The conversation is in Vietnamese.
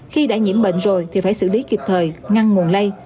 khi đã nhiễm bệnh rồi thì phải xử lý kịp thời ngăn nguồn lây